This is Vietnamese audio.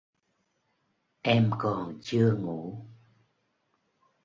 Em còn chưa ngủ